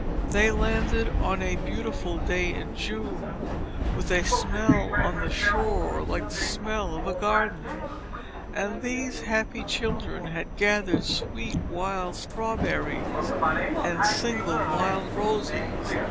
They landed on a beautiful day in June, "with a smell on the shore like the smell of a garden," and these happy children had gathered sweet wild strawberries and single wild roses.